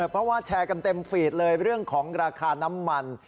เพราะว่าแชร์กันเต็มฟีดเลยเรื่องของราคาน้ำมัน